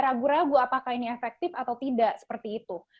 ragu ragu apakah ini efektif atau tidak seperti itu